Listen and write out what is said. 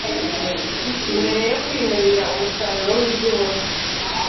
Mbere yo kwinubira umusaruro w’ibyo ubona